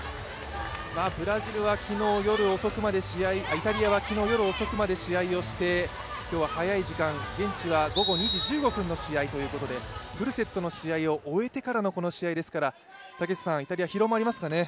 イタリアは昨日夜遅くまで試合をして今日は早い時間、現地は午後２時１５分の試合ということでフルセットの試合を終えてからの、この試合ですから、イタリア、疲労もありますかね。